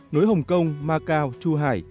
nối hồng kông macau chu hải